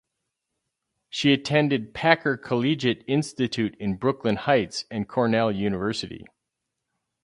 She attended Packer Collegiate Institute in Brooklyn Heights and Cornell University.